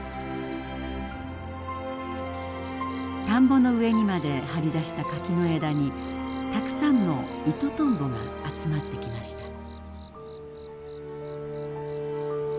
田んぼの上にまで張り出した柿の枝にたくさんのイトトンボが集まってきました。